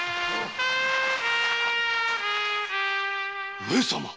上様！？